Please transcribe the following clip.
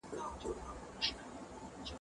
د موضوعاتو تنوع لوستونکي زياتوي.